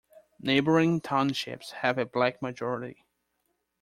Neighbouring townships have a black majority.